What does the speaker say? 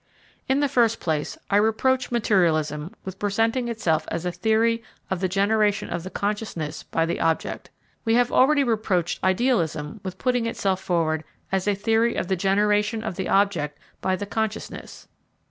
In the first place, I reproach materialism with presenting itself as a theory of the generation of the consciousness by the object. We have already reproached idealism with putting itself forward as a theory of the generation of the object by the consciousness.